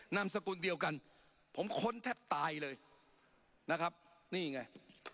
นามสกุลเดียวกันผมค้นแทบตายเลยนะครับนี่ไง